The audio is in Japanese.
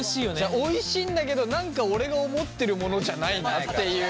おいしいんだけど何か俺が思ってるものじゃないなっていう。